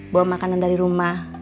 bawa makanan dari rumah